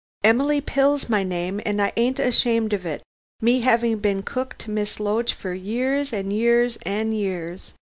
"Emily Pill's my name, and I ain't ashamed of it, me having been cook to Miss Loach for years an' years and years.